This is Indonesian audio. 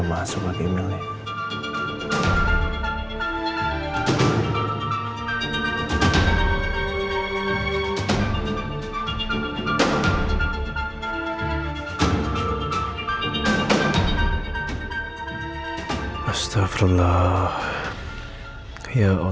kalo ada bantunya